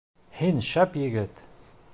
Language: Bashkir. Һин шәп егет!